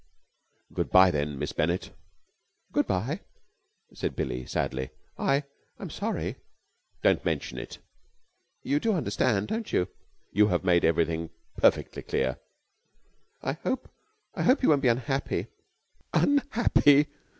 "Good bye, then, Miss Bennett!" "Good bye," said Billie sadly. "I I'm sorry." "Don't mention it!" "You do understand, don't you?" "You have made everything perfectly clear." "I hope I hope you won't be unhappy." "Unhappy!"